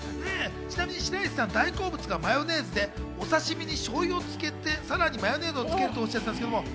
ちなみに白石さん、大好物がマヨネーズで、お刺身にしょうゆもつけて、さらにマヨネーズをつけるとおっしゃってました。